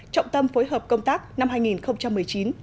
trọng tâm phối hợp công tác năm hai nghìn một mươi chín hai nghìn hai mươi